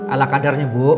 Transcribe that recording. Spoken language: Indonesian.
alah kadarnya bu